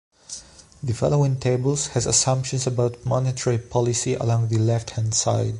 The following tables has assumptions about monetary policy along the left hand side.